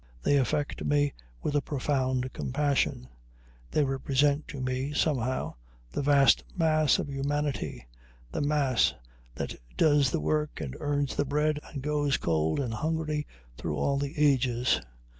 They affect me with a profound compassion; they represent to me, somehow, the vast mass of humanity, the mass that does the work, and earns the bread, and goes cold and hungry through all the ages.